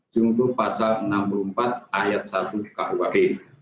contoh pasal lima puluh lima s satu ke satu kuap